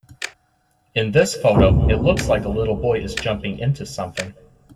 In this photo, it looks like a little boy is jumping into something.